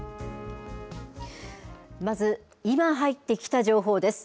まず、今入ってきた情報です。